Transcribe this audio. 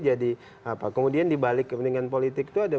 jadi kemudian di balik kepentingan politik itu ada